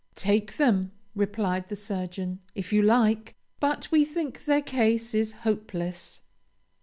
"Take them," replied the surgeon, "if you like; but we think their case is hopeless."